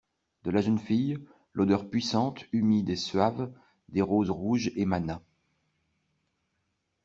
De la jeune fille, l'odeur puissante, humide et suave des roses rouges émana.